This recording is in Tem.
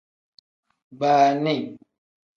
Baani.